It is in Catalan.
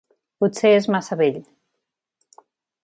Potser és massa vell.